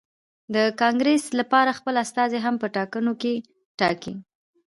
د کانګرېس لپاره خپل استازي هم په ټاکنو کې ټاکي.